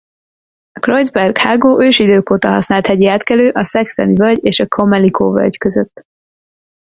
A Kreuzberg-hágó ősidők óta használt hegyi átkelő a Sexteni-völgy és a Comelico-völgy között.